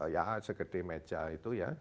ya segede meja itu ya